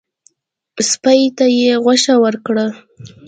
سپي ته یې غوښه ورکړه.